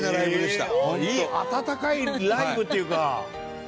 温かいライブというか。